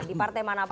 di partai manapun